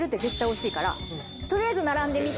取りあえず並んでみて。